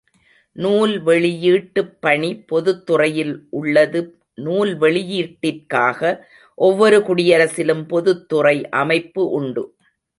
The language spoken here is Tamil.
நூல் வெளியீட்டுப்பணி, பொதுத்துறையில் உள்ளது நூல் வெளியீட்டிற்காக, ஒவ்வொரு குடியரசிலும் பொதுத்துறை அமைப்பு உண்டு.